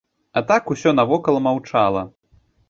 А так усё навакол маўчала.